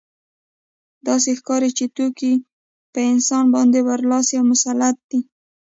داسې ښکاري چې توکي په انسان باندې برلاسي او مسلط دي